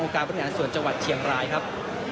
องค์การพัฒนาส่วนจังหวัดเชียงรายครับ